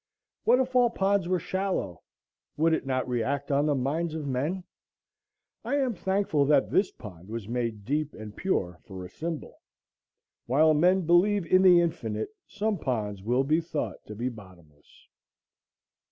What if all ponds were shallow? Would it not react on the minds of men? I am thankful that this pond was made deep and pure for a symbol. While men believe in the infinite some ponds will be thought to be bottomless.